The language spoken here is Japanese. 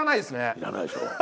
要らないでしょ？